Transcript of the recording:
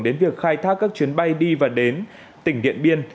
đến việc khai thác các chuyến bay đi và đến tỉnh điện biên